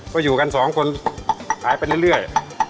ก็อยู่กันสองคนหายไปเรื่อย